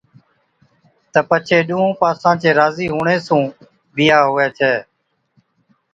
تہ پڇي ڏُونھُون پاسان چي راضِي ھُوڻي سُون بِيھا ھُوي ڇَي